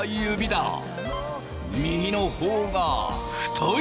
右の方が太い！